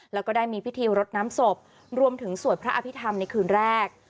แล้วก็ได้มีพิธีรดน้ำศพรวมถึงสวดพระอภิษฐรรมในคืนแรก